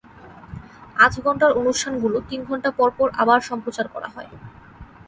আধঘণ্টার অনুষ্ঠানগুলো তিন ঘণ্টা পরপর আবার সম্প্রচার করা হয়।